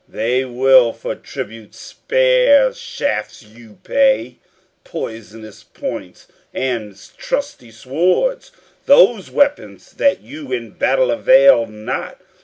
They will for tribute spear shafts you pay, Poisonous points and trusty swords, Those weapons that you in battle avail not.